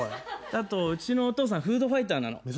あとうちのお父さんフードファイターなの。